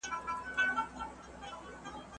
يو گړى نه يم بېغمه له دامونو